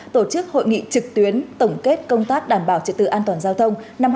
tổ chức hội nghị trực tuyến tổng kết công tác đảm bảo trực tự an toàn giao thông